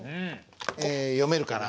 読めるかな？